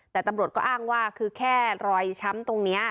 แต่ตำรวจก็อ้างว่าคือแค่รอยช้ำตรงนี้